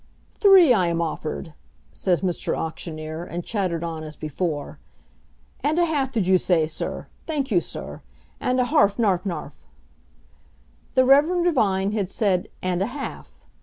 "Three I am offered," says Mr. Auctioneer, and chattered on as before: "And a half, did you say, Sir? Thank you, Sir. And a halfnarfnarf!" The reverend divine had said, "And a half."